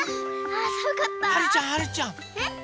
はるちゃんはるちゃん。